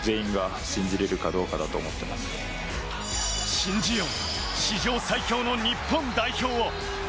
信じよう、史上最強の日本代表を。